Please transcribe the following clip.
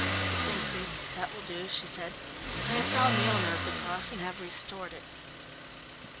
"Thank you, that will do," she said. "I have found the owner of the cross and have restored it."